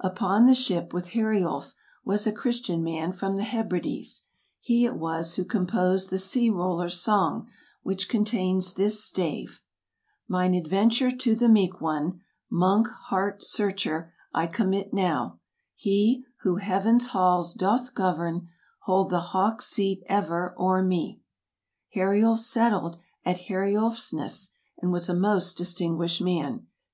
Upon the ship with Heriulf was a Christian man from the Hebrides, he it was who composed the Sea roller's Song, which contains this stave: "Mine adventure to the Meek One, Monk heart searcher, I commit now; He, who heaven's halls doth govern, Hold the hawk's seat ever o'er me!" Heriulf settled at Heriulfsness, and was a most distin guished man.